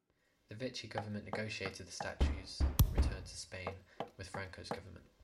The Vichy government negotiated the statue's return to Spain with Franco's government.